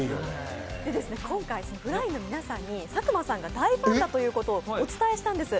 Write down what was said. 今回、Ｆｌｙ−Ｎの皆さんに佐久間さんが大ファンだということをお伝えしたんです。